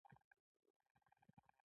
د فراه په قلعه کاه کې څه شی شته؟